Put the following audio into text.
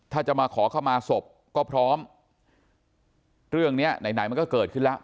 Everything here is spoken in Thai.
ถ้าจะมาขอเข้ามาศพก็พร้อมเรื่องเนี้ยไหนไหนมันก็เกิดขึ้นแล้ว